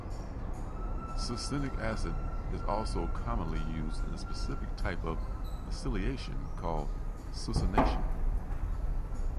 Succinic acid is also commonly used in a specific type of acylation called "succination".